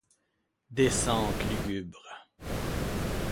Descente lugubre!